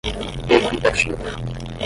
equitativo